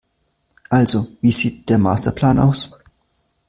Also, wie sieht der Masterplan aus?